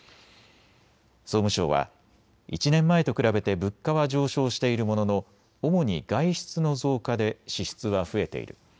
総務省は１年前と比べて物価は上昇しているものの主に外出の増加で支出は増えている。